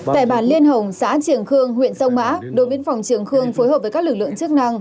tại bản liên hồng xã triềng khương huyện sông mã đội biên phòng trường khương phối hợp với các lực lượng chức năng